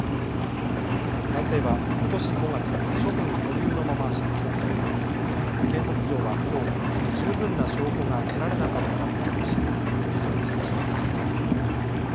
男性はことし５月、処分保留のまま釈放され検察庁はきょう十分な証拠が得られなかったなどとして不起訴にしました。